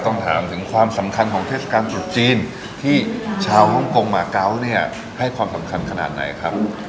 ถามถึงความสำคัญของเทศกาลตรุษจีนที่ชาวฮ่องกงหมาเกาะเนี่ยให้ความสำคัญขนาดไหนครับ